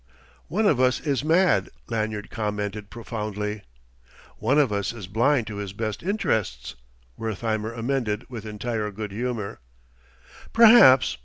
"One of us is mad," Lanyard commented profoundly. "One of us is blind to his best interests," Wertheimer amended with entire good humour. "Perhaps...